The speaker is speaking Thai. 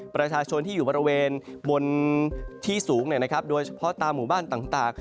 ประชาชนที่อยู่บริเวณบนที่สูงโดยเฉพาะตามหมู่บ้านต่าง